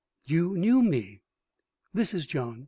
"You knew me?" (This is John.